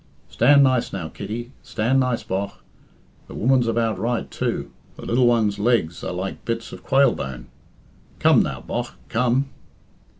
Stand nice, now, Kitty, stand nice, bogh! The woman's about right, too the lil one's legs are like bits of qualebone. 'Come, now, bogh, come?"